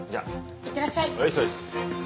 いってらっしゃい。